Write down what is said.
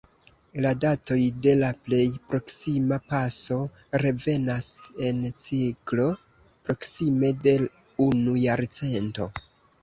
La datoj de la plej proksima paso revenas en ciklo proksime de unu jarcento.